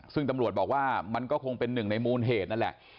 ซึ่งตำรวจบอกว่ามันก็คงเป็นหนึ่งในมูลเหตุนั่นแหละ